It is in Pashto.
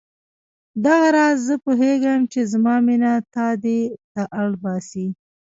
دغه راز زه پوهېږم چې زما مینه تا دې ته اړ باسي.